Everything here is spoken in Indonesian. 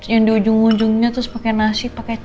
yang di ujung ujungnya terus pakai nasi pakai